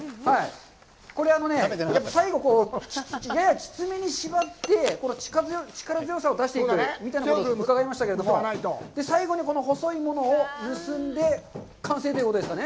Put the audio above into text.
これあのね、最後、ややきつめに縛って、この力強さを出していくみたいなことを伺いましたけど、最後にこの細いものを結んで完成ということですかね？